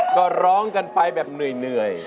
ก็ร้องกันไปแบบเหนื่อย